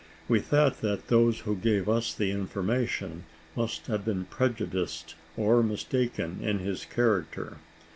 We thought that those who gave us the information must have been prejudiced or mistaken in his character.